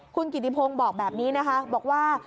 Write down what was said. คุณกิติพงศ์บอกแบบนี้นะคะบอกว่า